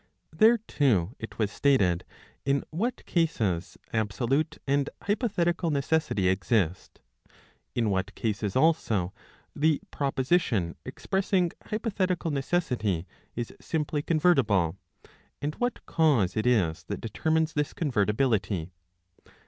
There too it was stated in what cases absolute and hypothetical necessity exist ; in what cases also the propo sition expressing hypothetical necessity is simply convertible, and what cause it is that determines this convertibility.